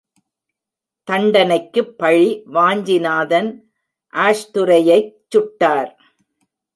தண்டனைக்குப் பழி வாஞ்சிநாதன் ஆஷ்துரையைச் சுட்டார்.